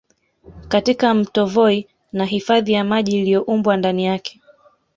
Katika Mto Voi na hifadhi ya maji iliyoumbwa ndani yake